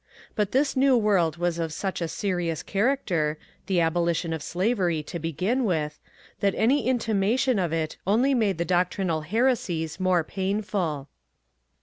But this new world was of such a serious character, — the abo lition of slavery to begin with, — that any intimation of it only made the doctrinal heresies more painful.